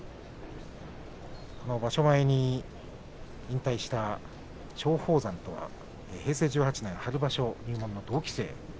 場所前に引退した松鳳山とは平成１８年春場所入門の同期生。